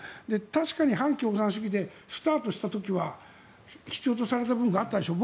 確かに反共産主義でスタートした時は必要とされた部分があったでしょう。